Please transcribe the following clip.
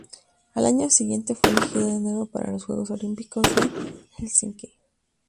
Al año siguiente fue elegido de nuevo para los Juegos Olímpicos de Helsinki.